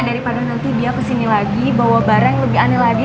daripada nanti dia kesini lagi bawa barang lebih aneh lagi